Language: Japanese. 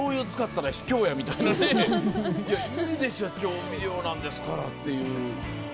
いやいいでしょ調味料なんですからっていう。